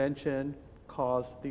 mencoba mengatakan bahwa